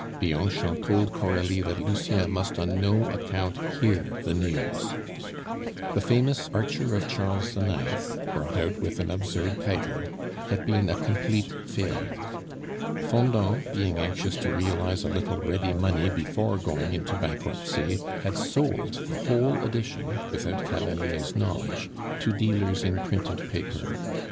Bianchon told Coralie that Lucien must on no account hear the news. The famous Archer of Charles IX., brought out with an absurd title, had been a complete failure. Fendant, being anxious to realize a little ready money before going into bankruptcy, had sold the whole edition (without Cavalier's knowledge) to dealers in printed paper.